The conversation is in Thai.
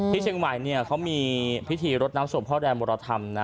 ที่เชียงใหม่เนี่ยเค้ามีพิธีรถน้ำสวมพ่อใดมรธรรมนะ